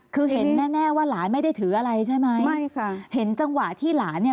คือเห็นแน่แน่ว่าหลานไม่ได้ถืออะไรใช่ไหมใช่ค่ะเห็นจังหวะที่หลานเนี่ย